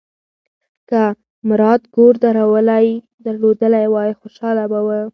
که مراد کور درلودلی وای، خوشاله به و.